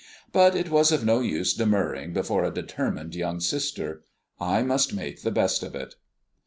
But it was of no use demurring before a determined young sister. I must make the best of it.